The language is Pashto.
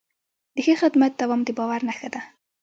د ښه خدمت دوام د باور نښه ده.